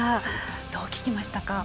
どう聞きましたか。